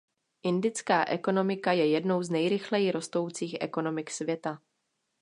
Indická ekonomika je jednou z nejrychleji rostoucích ekonomik světa.